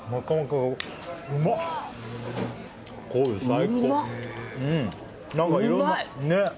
最高。